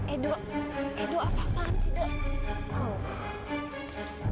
edu edu apaan sih